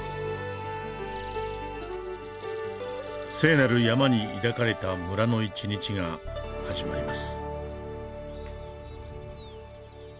聖なる山に抱かれた村の一日が始まります。